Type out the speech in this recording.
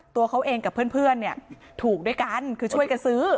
ตัวเขาเองกับเพื่อนเนี่ยถูกด้วยกันคือช่วยกันซื้อ